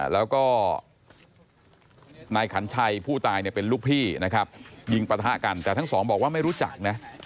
แล้วก็นายขัญชัยผู้ตายเนี่ยเป็นลูกพี่นะครับยิงปะทะกันแต่ทั้งสองบอกว่าไม่รู้จักนะ